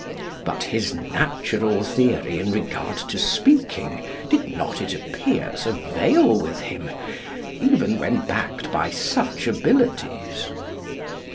But his 'natural' theory in regard to speaking, did not, it appears, avail with him, even when backed by such abilities.